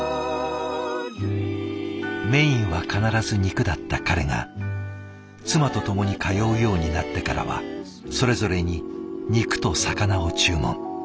メインは必ず肉だった彼が妻と共に通うようになってからはそれぞれに肉と魚を注文。